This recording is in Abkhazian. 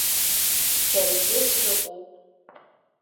Саргьы сыҟоуп…